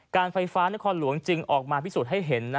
การไฟฟ้านครหลวงจึงออกมาพิสูจน์ให้เห็น